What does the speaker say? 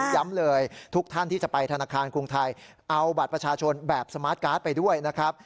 ย้ำเลยทุกท่านที่จะไปธนาคารกรุงไทยเอาบัตรประชาชนแบบสมาร์ทการ์ดไปด้วยนะครับ